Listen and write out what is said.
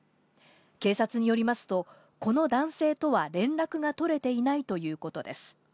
警察によりますと、この男性とは連絡が取れていないということです。